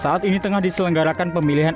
saat ini tengah diselenggarakan pemilihan